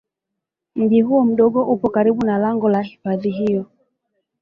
Mji huu mdogo upo karibu na lango la hifadhi hiyo